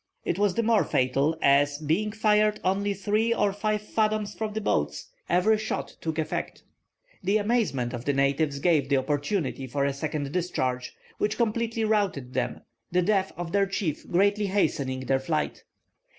It was the more fatal, as, being fired only three or five fathoms from the boats, every shot took effect. The amazement of the natives gave the opportunity for a second discharge, which completely routed them, the death of their chief greatly hastening their flight.